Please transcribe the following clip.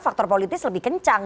faktor politik lebih kencang